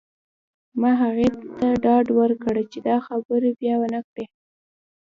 ما هغې ته ډاډ ورکړ چې دا خبره بیا ونه کړې